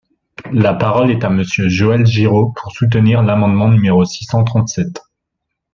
La parole est à Monsieur Joël Giraud, pour soutenir l’amendement numéro six cent trente-sept.